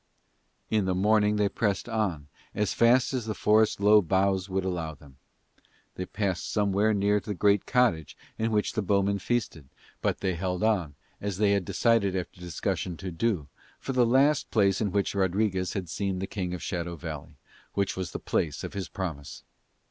In the morning they pressed on as fast as the forest's low boughs would allow them. They passed somewhere near the great cottage in which the bowmen feasted; but they held on, as they had decided after discussion to do, for the last place in which Rodriguez had seen the King of Shadow Valley, which was the place of his promise.